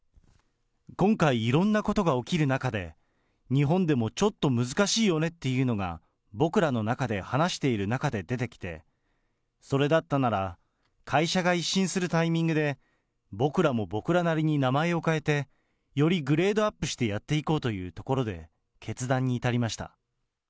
今回、いろんなことが起きる中で、日本でもちょっと難しいよねっていうのが、僕らの中で話している中で出てきて、それだったなら、会社が一新するタイミングで、僕らも僕らなりに名前を変えて、よりグレードアップしてやっていこうというところで決断に至りました。